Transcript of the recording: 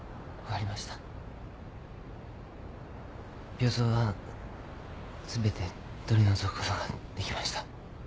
病巣はすべて取り除くことができました。